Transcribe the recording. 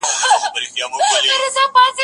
زه ونې ته اوبه ورکړې دي؟